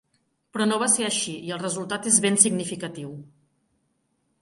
Però no va ser així, i el resultat és ben significatiu.